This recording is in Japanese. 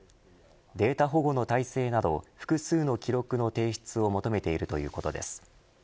データ保護の体制など複数の記録の提出を求めているということです。